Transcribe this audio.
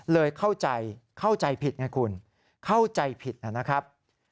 เลยเข้าใจเข้าใจผิดไงคุณเข้าใจผิดนะครับ